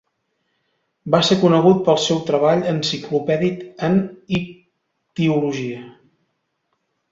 Va ser conegut pel seu treball enciclopèdic en ictiologia.